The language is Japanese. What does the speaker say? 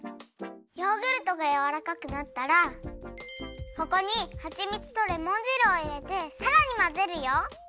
ヨーグルトがやわらかくなったらここにはちみつとレモン汁をいれてさらにまぜるよ。